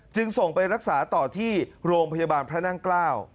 จึงส่งไปรักษาต่อที่โรงพยาบาลพระนั่งเกล้า